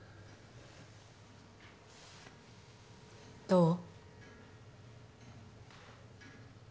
どう？